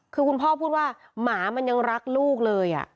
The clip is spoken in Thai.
คือคุณพ่อพูดว่าหมามันยังรักลูกเลย